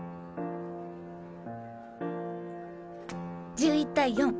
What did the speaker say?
１１対４。